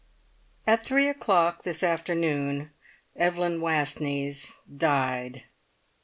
At three o'clock this afternoon Evelyn Wastneys died.